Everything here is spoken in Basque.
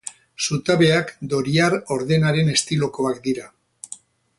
Zutabeak Doriar ordenaren estilokoak dira.